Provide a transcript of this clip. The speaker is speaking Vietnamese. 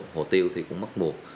hồ tiêu thì cũng mất muộn